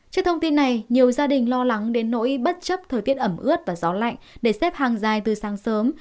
trước thông tin này nhiều gia đình lo lắng đến nỗi bất chấp thời tiết ẩm ướt và gió lạnh để xếp hàng dài từ sáng sớm